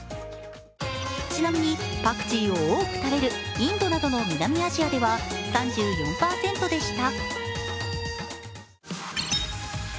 ちなみに、パクチーを多く食べるインドなどの南アジアでは３４％でした。